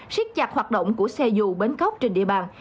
siết chặt hoạt động của xe dù bến cốc trên địa bàn